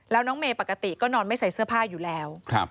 แล้วน้องเมย์ปกติก็นอนไม่ใส่เสื้อผ้าอยู่แล้ว